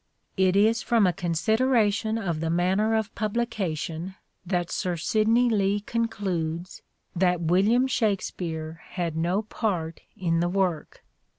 It is from a consideration of the manner of publica tion that Sir Sidney Lee concludes that William Shakspere had no part in the work.